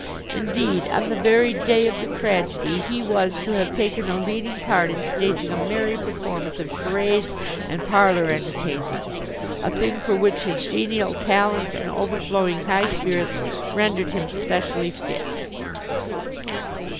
Indeed, on the very day of the tragedy, he was to have taken a leading part in staging a merry performance of charades and parlour entertainments a thing for which his genial talents and overflowing high spirits rendered him specially fit."